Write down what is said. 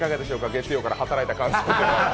月曜から働いた感想は？